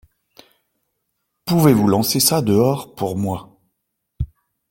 Pouvez-vous lancer ça dehors pour moi ?